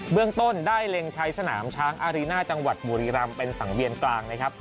เรื่องต้นได้เล็งใช้สนามช้างอารีน่าจังหวัดบุรีรำเป็นสังเวียนกลางนะครับ